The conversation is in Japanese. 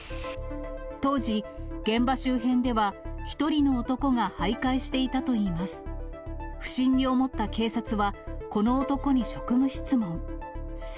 当時、現場周辺では１人の男がはいかいしていたといいます。